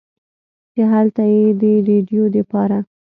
چې هلته ئې د رېډيو دپاره